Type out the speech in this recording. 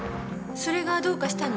それがどうかしたの？